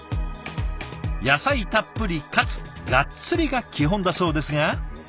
野菜たっぷりかつガッツリが基本だそうですが。